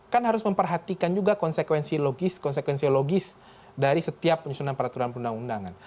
kan harus memperhatikan juga konsekuensi logis dari setiap penyelenggaraan peraturan undang undangan